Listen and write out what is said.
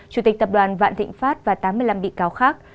chủ tịch tập đoàn vạn thịnh pháp và tám mươi năm bị cáo khác